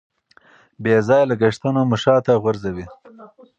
بې ځایه لګښتونه مو شاته غورځوي.